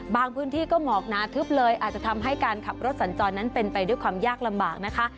พื้นที่ก็หมอกหนาทึบเลยอาจจะทำให้การขับรถสัญจรนั้นเป็นไปด้วยความยากลำบากนะคะ